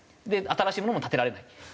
で新しいものも建てられない。